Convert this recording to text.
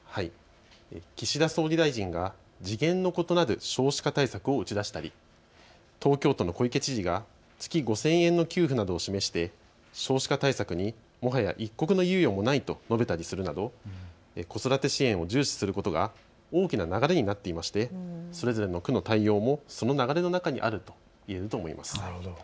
岸田総理大臣が次元の異なる少子化対策を打ち出したり東京都の小池知事が月５０００円の給付などを示して少子化対策にもはや一刻の猶予もないと述べたりするなど子育て支援を重視することが大きな流れになっていましてそれぞれの区の対応もその流れの中にあるといえると思います。